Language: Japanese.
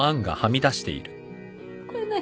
これ何？